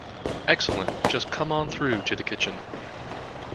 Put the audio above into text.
Excellent, just come on through to the kitchen.